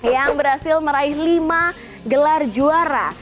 yang berhasil meraih lima gelar juara